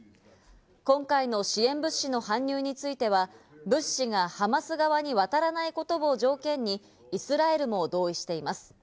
今回の支援物資の搬入については、物資がハマス側に渡らないことを条件にイスラエルも同意しています。